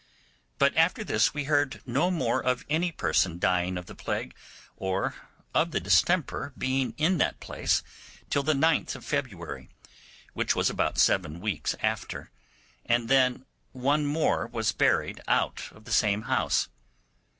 But after this we heard no more of any person dying of the plague, or of the distemper being in that place, till the 9th of February, which was about seven weeks after, and then one more was buried out of the same house.